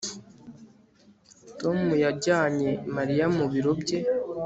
Tom yajyanye Mariya mu biro bye